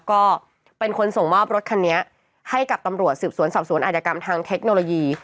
ก็เป็นคนส่งมอบรถคันนี้ให้กับตำรวจสืบสวนสอบสวนอาจกรรมทางเทคโนโลยี